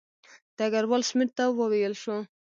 ډګروال سمیت ته وویل شو.